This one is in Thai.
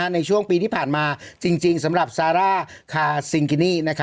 ในช่วงปีที่ผ่านมาจริงสำหรับซาร่าคาซิงกินี่